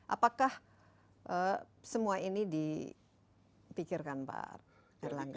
apakah semua ini dipikirkan pak erlangga